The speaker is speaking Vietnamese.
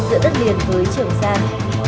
giữa đất liền với trường san